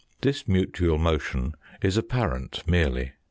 This mutual motion is apparent merely.